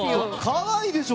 可愛いでしょ！